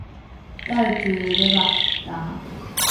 Täytyy levähtää.